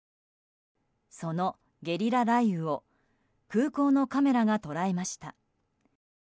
そのゲリラ雷雨を空港のカメラが捉えました。